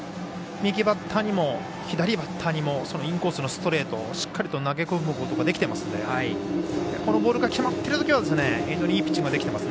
右バッターにも左バッターにもそのインコースのストレートしっかりと投げ込むことができていますのでこのボールが決まっているときは非常にいいピッチングができています。